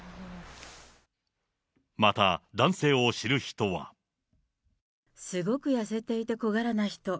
また、すごく痩せていて小柄な人。